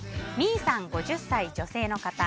５０歳、女性の方。